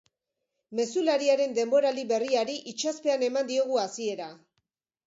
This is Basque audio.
Mezulariaren denboraldi berriari itsaspean eman diogu hasiera.